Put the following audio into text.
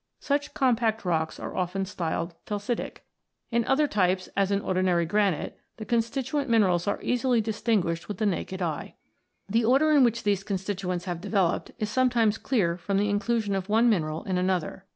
Such compact rocks are often styled felsitic. In other types, as in ordinary granite, the constituent minerals are easily dis tinguished with the naked eye. The order in which these constituents have developed is sometimes clear from the inclusion of one mineral in another.